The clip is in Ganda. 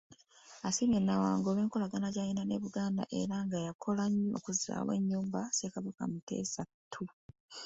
Asiimye Nawangwe olw'enkolagana gy'alina ne Buganda era ng'eyakola nnyo okuzzaawo ennyumba Ssekabaka Muteesa II.